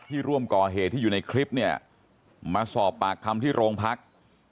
ร่วมก่อเหตุที่อยู่ในคลิปเนี่ยมาสอบปากคำที่โรงพัก